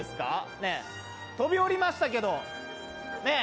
ねえ飛びおりましたけどねえ